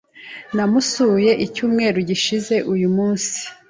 Namusuye icyumweru gishize uyu munsi .